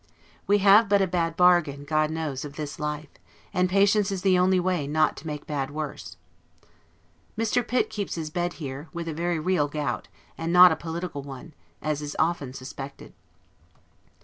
We have but a bad bargain, God knows, of this life, and patience is the only way not to make bad worse. Mr. Pitt keeps his bed here, with a very real gout, and not a political one, as is often suspected.